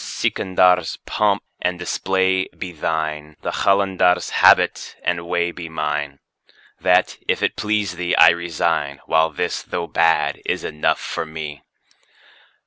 Sikandar's3 pomp and display be thine, the Qalandar's4 habit and way be mine; That, if it please thee, I resign, while this, though bad, is enough for me.